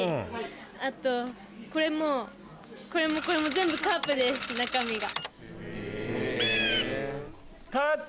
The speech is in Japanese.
あとこれもこれもこれも全部カープです中身が。